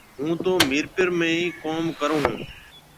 هُون تو ميرپور ۾ ئي ڪوم ڪرون هون۔